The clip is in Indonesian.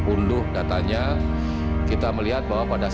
unduh datanya kita melihat bahwa pada saat